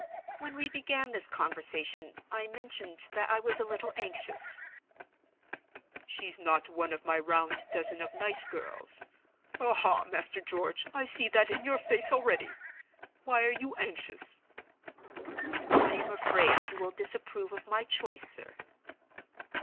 When we began this conversation, I mentioned that I was a little anxious—" "She's not one of my round dozen of nice girls—aha, Master George, I see that in your face already! Why are you anxious?" "I am afraid you will disapprove of my choice, sir."